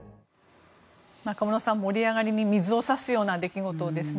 中室さん盛り上がりに水を差すような出来事ですね。